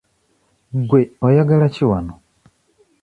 Gwe oyagala ki wano?